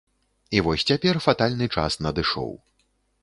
І вось цяпер фатальны час надышоў.